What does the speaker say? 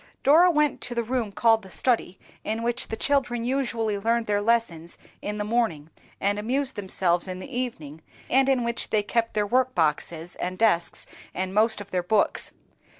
Dora went to the room called the study, in which the children usually learned their lessons in the morning, and amused themselves in the evening, and in which they kept their workboxes and desks, and most of their books.